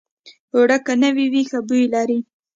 اوړه که نوي وي، ښه بوی لري